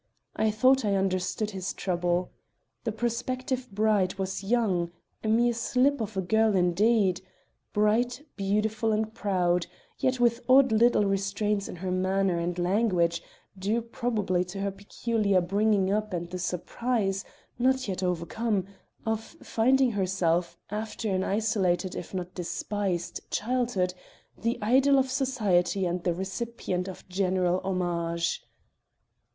I thought I understood his trouble. The prospective bride was young a mere slip of a girl, indeed bright, beautiful and proud, yet with odd little restraints in her manner and language, due probably to her peculiar bringing up and the surprise, not yet overcome, of finding herself, after an isolated, if not despised, childhood, the idol of society and the recipient of general homage.